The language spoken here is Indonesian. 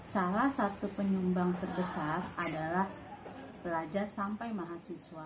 salah satu penyumbang terbesar adalah pelajar sampai mahasiswa